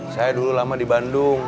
saya dulu lama di bandung